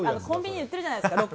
コンビニに売ってるじゃないですか。